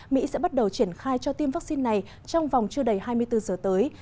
mỹ sẽ bắt đầu triển khai cho tiêm vaccine này trong vòng chưa đầy hai mươi bốn giờ tới